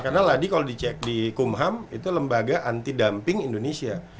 karena ladi kalau dicek di kumham itu lembaga anti dumping indonesia